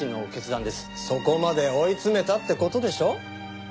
そこまで追い詰めたって事でしょ？